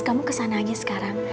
kamu kesana aja